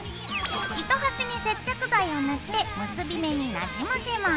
糸端に接着剤を塗って結び目になじませます。